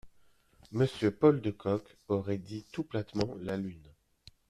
Monsieur Paul de Kock aurait dit tout platement la lune …